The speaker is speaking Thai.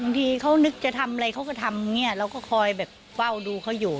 อันที่เขานึกจะทำอะไรเค้าก็ทำแล้วก็คอยเป้าดูเขาอยู่